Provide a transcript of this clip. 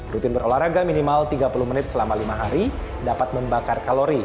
rutin berolahraga minimal tiga puluh menit selama lima hari dapat membakar kalori